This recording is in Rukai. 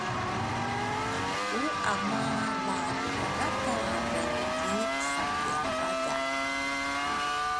Ku ama la tukadrakadre ki sakiaragay